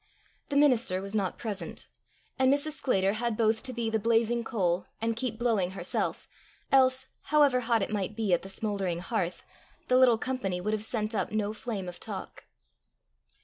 The minister was not present, and Mrs. Sclater had both to be the blazing coal, and keep blowing herself, else, however hot it might be at the smouldering hearth, the little company would have sent up no flame of talk.